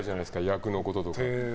役のこととか。